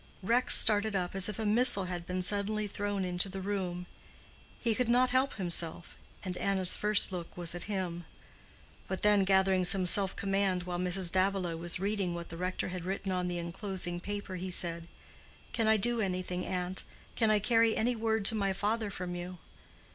Rex started up as if a missile had been suddenly thrown into the room. He could not help himself, and Anna's first look was at him. But then, gathering some self command while Mrs. Davilow was reading what the rector had written on the enclosing paper, he said, "Can I do anything, aunt? Can I carry any word to my father from you?"